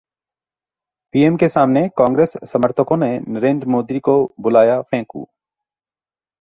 PM के सामने कांग्रेस समर्थकों ने नरेंद्र मोदी को बुलाया फेंकू